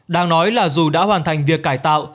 đang nói là dù đã hoàn thành việc cải tạo